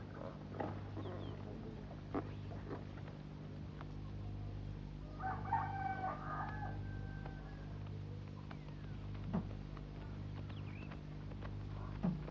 kau akan menang